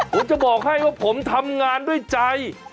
ผมจะบอกให้ว่าผมทำงานด้วยใจ